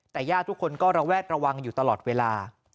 แต่ญาติทุกคนก็ระแวดระวังอยู่ตลอดเวลา